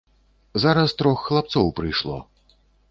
Зараз трох хлапцоў прыйшло.